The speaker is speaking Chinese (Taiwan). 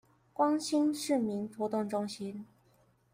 光興市民活動中心